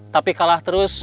tapi kalah terus